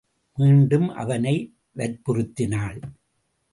மீண்டும் அவனை வற்புறுத்தினாள்.